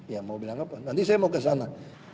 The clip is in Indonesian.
ya mau bilang apa nanti saya mau kesana